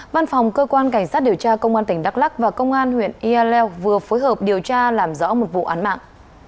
văn phòng cơ quan cảnh sát điều tra công an tỉnh đắk lắc và công an huyện iaeo vừa phối hợp điều tra làm rõ một vụ án mạng